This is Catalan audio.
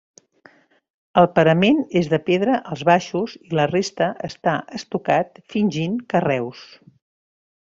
El parament és de pedra als baixos i la resta està estucat fingint carreus.